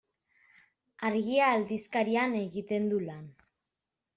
Argia aldizkarian egiten du lan.